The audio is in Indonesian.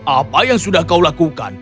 apa yang sudah kau lakukan